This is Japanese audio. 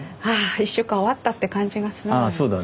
１週間終わったって感じがするのよ。